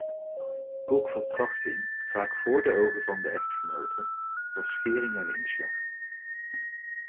Ook verkrachting, vaak voor de ogen van de echtgenoten, was schering en inslag.